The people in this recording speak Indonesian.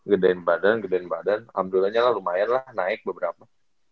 gedein badan gedein badan alhamdulillah nyala lumayan lah naik beberapa